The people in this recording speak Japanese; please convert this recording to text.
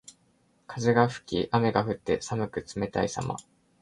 風が吹き雨が降って、寒く冷たいさま。